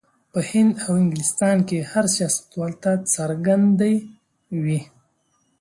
په هند او انګلستان کې هر سیاستوال ته څرګندې وې.